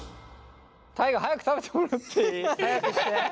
大我早く食べてもらっていい？早く！